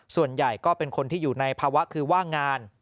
ส่วนใหญ่ก็เป็นคนที่อยู่ในภาวะคือว่างงาน